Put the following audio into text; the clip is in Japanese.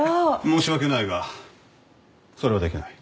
申し訳ないがそれはできない。